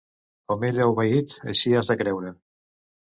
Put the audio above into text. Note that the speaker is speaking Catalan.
Com ell ha obeït, així has de creure.